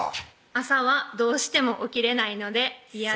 朝はどうしても起きれないので嫌です